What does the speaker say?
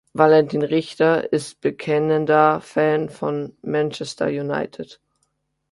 Valentin Richter ist bekennender Fan von Manchester United.